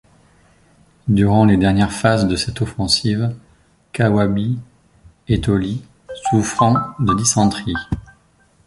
Durant les dernières phases de cette offensive, Kawabe est au lit, souffrant de dysenterie.